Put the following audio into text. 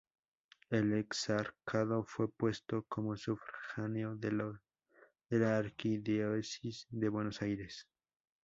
El exarcado fue puesto como sufragáneo de la arquidiócesis de Buenos Aires.